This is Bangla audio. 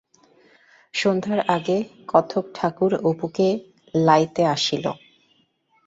সন্ধ্যার আগে কথকঠাকুর অপুকে লাইতে আসিল।